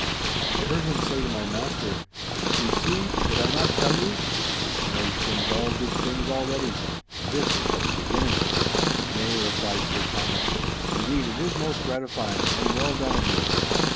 I heard him say to my master, 'Ye see, did not I tell you? This marriage brings all good things already. And this is but the beginning.' 'Nay,' replied Sir Thomas, 'indeed it is most gratifying and well done of you.